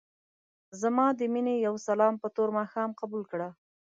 ځما دې مينې يو سلام په تور ماښام قبول کړه.